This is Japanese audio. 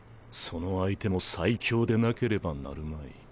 その相手も最強でなければなるまい。